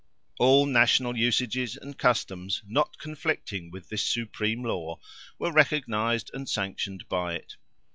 All national usages and customs, not conflicting with this supreme law, were recognized and sanctioned by it.